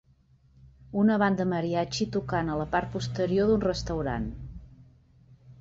Una banda mariachi tocant a la part posterior d'un restaurant.